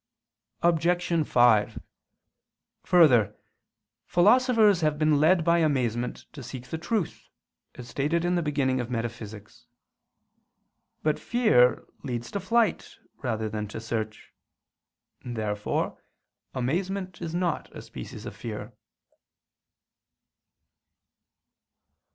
Obj. 5: Further, Philosophers have been led by amazement to seek the truth, as stated in the beginning of Metaph. But fear leads to flight rather than to search. Therefore amazement is not a species of fear.